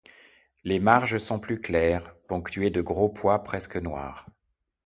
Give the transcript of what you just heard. Les marges sont plus claires, ponctuées de gros pois presque noirs.